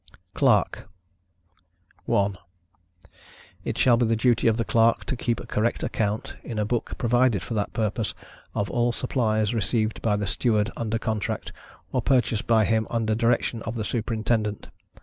CLERK. 1. It shall be the duty of the Clerk to keep a correct account, in a book provided for that purpose, of all supplies received by the Steward under contract, or purchased by him under direction of the Superintendent.